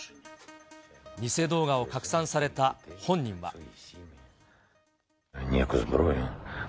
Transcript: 偽動画を拡散された本人は。